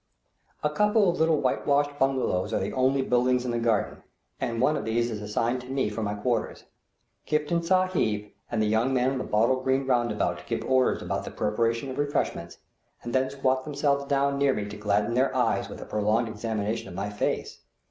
A couple of little whitewashed bungalows are the only buildings in the garden, and one of these is assigned to me for my quarters. Kiftan Sahib and the young man in the bottle green roundabout give orders about the preparation of refreshments, and then squat themselves down near me to gladden their eyes with a prolonged examination of my face.